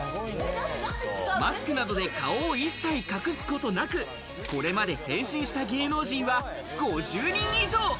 マスクなどで顔を一切隠すことなくこれまで変身した芸能人は５０人以上！